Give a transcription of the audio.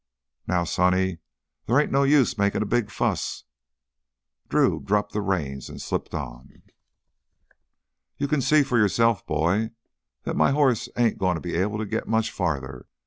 "Now, sonny, there ain't no use makin' a big fuss...." Drew dropped the reins and slipped on. "You can see for yourself, boy, that m' hoss ain't gonna be able to git much farther.